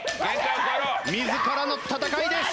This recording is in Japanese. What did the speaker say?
自らの闘いです。